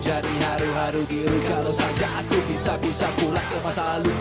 jadi haru haru biru kalau saja aku bisa bisa pulang ke masa lalu